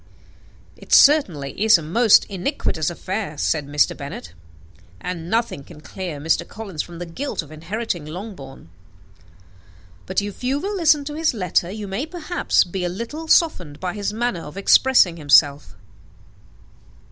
"It certainly is a most iniquitous affair," said Mr. Bennet; "and nothing can clear Mr. Collins from the guilt of inheriting Longbourn. But if you will listen to his letter, you may, perhaps, be a little softened by his manner of expressing himself."